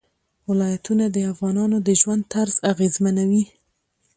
ولایتونه د افغانانو د ژوند طرز اغېزمنوي.